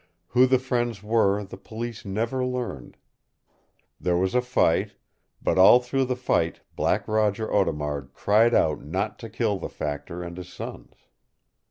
Who the friends were the Police never learned. There was a fight, but all through the fight Black Roger Audemard cried out not to kill the factor and his sons.